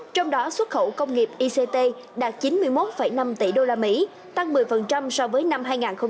trong đó xuất khẩu công nghiệp ict đạt chín mươi một năm tỷ đô la mỹ tăng một mươi so với năm hai nghìn một mươi tám